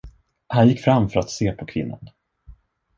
Han gick fram för att se på kvinnan.